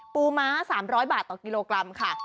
ม้า๓๐๐บาทต่อกิโลกรัมค่ะ